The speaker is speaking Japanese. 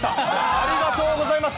ありがとうございます。